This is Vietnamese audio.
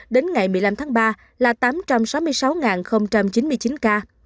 đến ngày một mươi năm tháng ba là tám trăm sáu mươi sáu chín mươi chín ca